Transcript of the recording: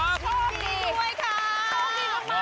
โชคดีด้วยค่ะ